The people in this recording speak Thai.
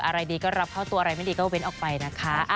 อะไรดีก็รับเข้าตัวอะไรไม่ดีก็เว้นออกไปนะคะ